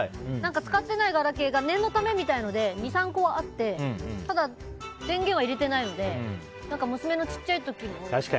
使っていないガラケーが念のために２、３個あってただ、電源は入れてないので娘の小さい時のとか。